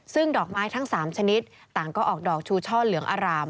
ซึ่งดอกไม้ทั้ง๓ชนิดต่างก็ออกดอกชูช่อเหลืองอาราม